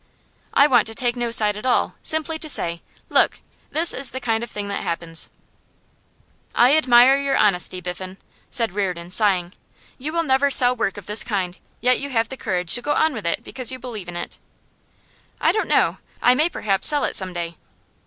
I want to take no side at all; simply to say, Look, this is the kind of thing that happens.' 'I admire your honesty, Biffen,' said Reardon, sighing. 'You will never sell work of this kind, yet you have the courage to go on with it because you believe in it.' 'I don't know; I may perhaps sell it some day.